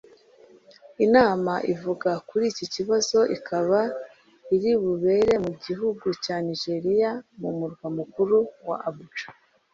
Inama ivuga kuri iki kibazo ikaba iribubere mu gihugu cya Nigeria mu murwa mukuru wa Abudja